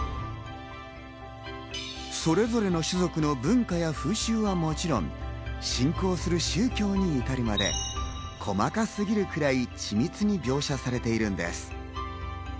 それぞれの種族の文化や風習はもちろん、信仰する宗教に至るまで細かすぎるくらい、緻密に描写されているのです。